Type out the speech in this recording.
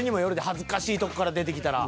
恥ずかしいとこから出てきたら。